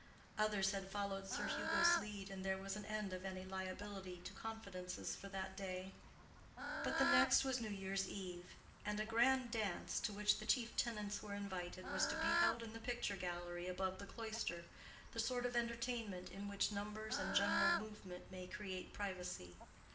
Others had followed Sir Hugo's lead, and there was an end of any liability to confidences for that day. But the next was New Year's Eve; and a grand dance, to which the chief tenants were invited, was to be held in the picture gallery above the cloister—the sort of entertainment in which numbers and general movement may create privacy.